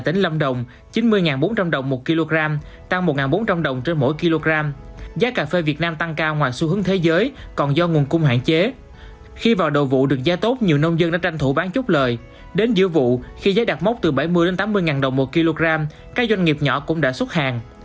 đến giữa vụ khi giá đạt mốc từ bảy mươi tám mươi ngàn đồng một kg các doanh nghiệp nhỏ cũng đã xuất hàng